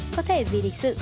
có thể vì lịch sự